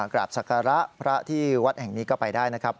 กราบศักระพระที่วัดแห่งนี้ก็ไปได้นะครับ